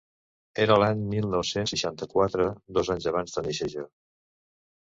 Era l'any mil nou-cents seixanta-quatre, dos anys abans de nàixer jo.